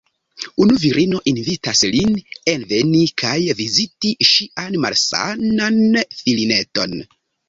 Unu virino invitis lin enveni kaj viziti ŝian malsanan filineton.